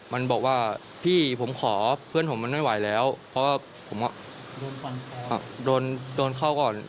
มันบอกว่าพี่ผมขอเพื่อนผมมันไม่ไหวแล้วเพราะว่าผมโดนเข้าก่อน